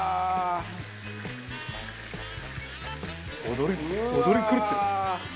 踊り踊り狂ってる。